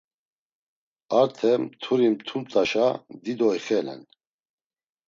Arte mturi mtumt̆aşa dido ixelen.